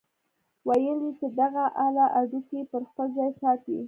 ويل يې چې دغه اله هډوکي پر خپل ځاى ساتي.